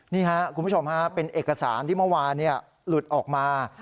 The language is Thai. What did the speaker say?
นี่ครับคุณผู้ชมฮะเป็นเอกสารที่เมื่อวานหลุดออกมา